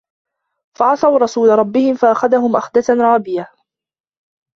فَعَصَوا رَسولَ رَبِّهِم فَأَخَذَهُم أَخذَةً رابِيَةً